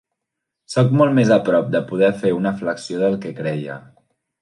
Soc molt més a prop de poder fer una flexió del que creia.